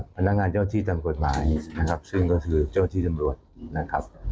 พนักงานเจ้าที่ตามกฎหมายนะครับซึ่งก็คือเจ้าที่ตำรวจนะครับ